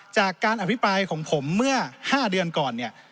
จากการอภิปรายของผมเมื่อ๕เดือนก่อนเนี่ย